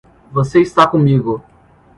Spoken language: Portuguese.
Você está comigo.